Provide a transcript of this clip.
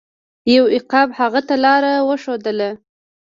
یو عقاب هغه ته لاره وښودله.